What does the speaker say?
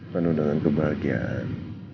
penuh dengan kebahagiaan